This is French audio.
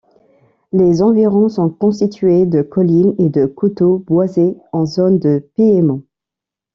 Les environs sont constitués de collines et de coteaux boisés en zone de piémont.